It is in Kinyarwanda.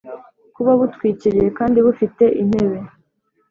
kuba butwikiriye kandi bufite intebe